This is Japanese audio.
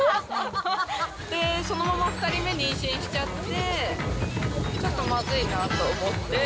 そのまま２人目妊娠しちゃって、ちょっとまずいなと思って。